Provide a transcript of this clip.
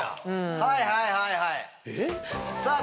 はいはいはいはい。